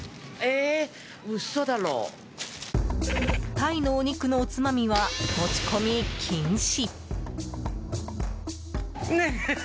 タイのお肉のおつまみは持ち込み禁止。